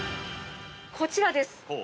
◆こちらです。